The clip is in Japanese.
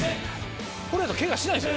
これやとケガしないんですよ